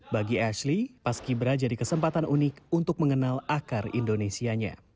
bagi ashley paski bra jadi kesempatan unik untuk mengenal akar indonesianya